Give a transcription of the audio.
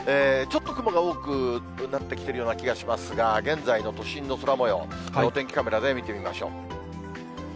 ちょっと雲が多くなってきているような気がしますが、現在の都心の空もよう、お天気カメラで見てみましょう。